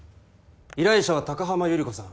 依頼者は高濱百合子さん。